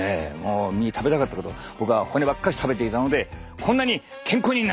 身食べたかったけど僕は骨ばっかし食べていたのでこんなに健康になりました！